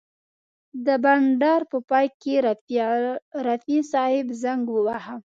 د بنډار په پای کې رفیع صاحب زنګ وواهه.